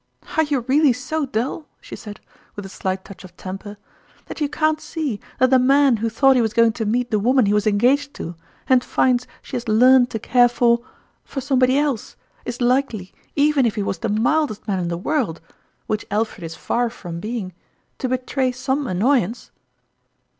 " Are you really so dull," she said, with a slight touch of temper, "that you can't see that a man who thought he was going to meet the woman he was engaged to, and finds she has learned to care for for somebody else, is likely, even if he was the mildest man in the world which Alfred is far from being to betray some annoyance